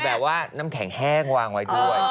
น้ำแข็งแห้งวางไว้ด้วย